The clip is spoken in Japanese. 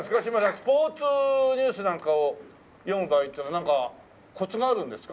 スポーツニュースなんかを読む場合っていうのはなんかコツがあるんですか？